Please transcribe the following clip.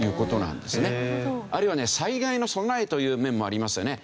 あるいはね災害の備えという面もありますよね。